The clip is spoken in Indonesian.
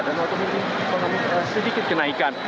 dan mungkin sedikit kenaikan